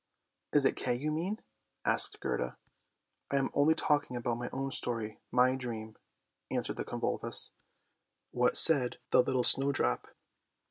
"" Is it Kay you mean? " asked Gerda. " I am only talking about my own story, my dream," answered the convolvulus. What said the little snowdrop?